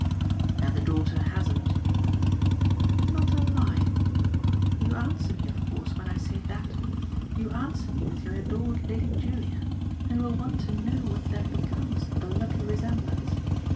"And the daughter hasn't "Not a line. You answer me of course, when I say THAT, you answer me with your adored Lady Julia, and will want to know what then becomes of the lucky resemblance.